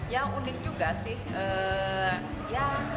ya unik juga sih